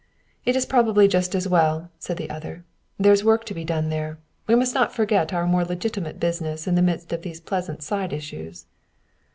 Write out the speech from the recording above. "It is probably just as well," said the other. "There's work to do there. We must not forget our more legitimate business in the midst of these pleasant side issues."